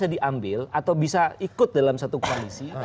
bisa diambil atau bisa ikut dalam satu koalisi